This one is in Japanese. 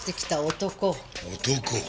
男。